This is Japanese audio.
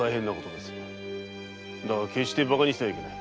だが決してバカにしてはいけない。